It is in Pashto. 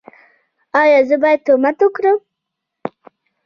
ایا زه باید تهمت وکړم؟